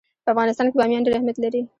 په افغانستان کې بامیان ډېر اهمیت لري.